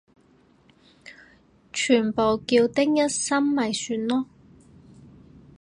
全部叫丁一心咪算囉